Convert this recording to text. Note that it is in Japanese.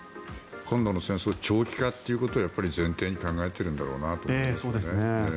今度の戦争長期化ということを前提に考えているんだろうなと思います。